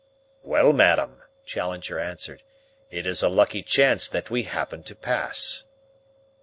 "Well, madam," Challenger answered, "it is a lucky chance that we happened to pass."